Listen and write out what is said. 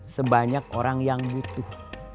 sebanyak orang yang butuh